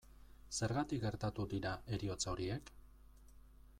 Zergatik gertatu dira heriotza horiek?